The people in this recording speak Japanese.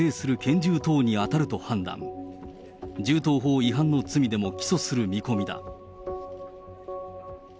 銃刀法違反の罪でも起訴する見込みだ。